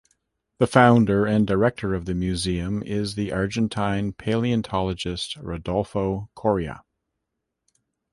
The founder and director of the museum is the Argentine paleontologist Rodolfo Coria.